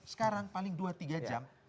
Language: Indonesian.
sekarang paling dua tiga jam